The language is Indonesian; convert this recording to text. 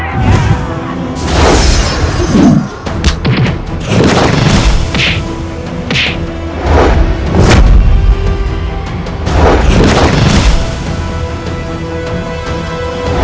sekarang kalian pergi serang rombongan kian santan